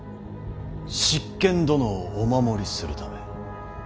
執権殿をお守りするため。